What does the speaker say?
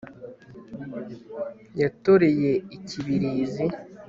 yatoreye i kibirizi